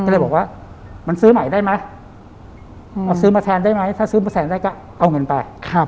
แล้วคือมันแสนไกลก็เอางานไป